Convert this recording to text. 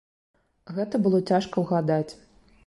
Гэта было цяжка ўгадаць.